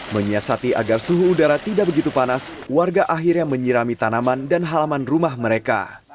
menyiasati agar suhu udara tidak begitu panas warga akhirnya menyirami tanaman dan halaman rumah mereka